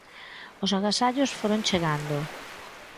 Os agasallos foron chegando.